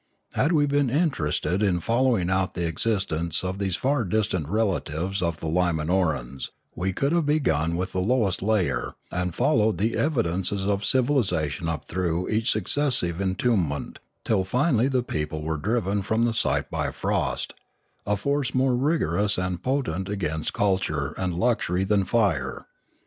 Had we been interested in following out the existence of these far distant relatives of the Lima norans, we could have begun with the lowest layer, and followed the evidences of civilisation up through each successive entombment, till finally the people were driven from the site by frost, a fprce more rigor ous and potent against culture and luxury than fire.